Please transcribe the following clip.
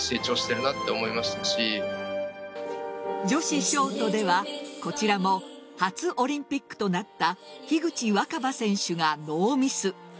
女子ショートではこちらも初オリンピックとなった樋口新葉選手がノーミス。